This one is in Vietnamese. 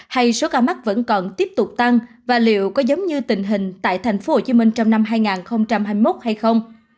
hay số ca mắc vẫn còn tiếp tục tăng và liệu có giống như tình hình tại tp hcm trong năm hai nghìn hai mươi một hay không